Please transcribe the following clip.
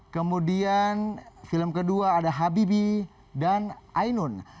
kemudian film kedua ada habibi dan ainun